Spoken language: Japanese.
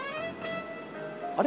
あれ？